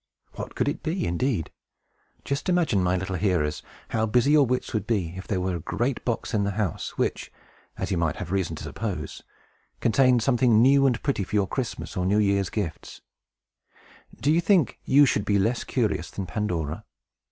What could it be, indeed? Just imagine, my little hearers, how busy your wits would be, if there were a great box in the house, which, as you might have reason to suppose, contained something new and pretty for your Christmas or New Year's gifts. Do you think that you should be less curious than Pandora?